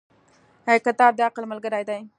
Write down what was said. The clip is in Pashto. • کتاب د عقل ملګری دی.